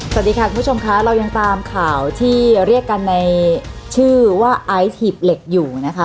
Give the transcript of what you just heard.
สวัสดีค่ะคุณผู้ชมค่ะเรายังตามข่าวที่เรียกกันในชื่อว่าไอซ์หีบเหล็กอยู่นะคะ